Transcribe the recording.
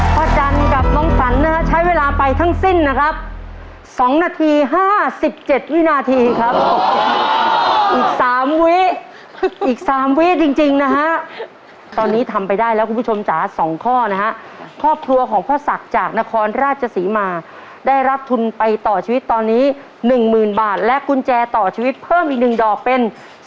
พระจันทร์กับน้องศรนะครับใช้เวลาไปทั้งสิ้นนะครับสองนาทีห้าสิบเจ็ดวินาทีครับอีกสามวินาทีอีกสามวินาทีจริงจริงนะฮะตอนนี้ทำไปได้แล้วคุณผู้ชมจำสองข้อนะฮะครอบครัวของพ่อศักดิ์จากนครราชสีมาได้รับทุนไปต่อชีวิตตอนนี้หนึ่งหมื่นบาทและกุญแจต่อชีวิตเพิ่มอีกหนึ่งดอกเป็